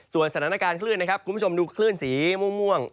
สถานการณ์คลื่นนะครับคุณผู้ชมดูคลื่นสีม่วง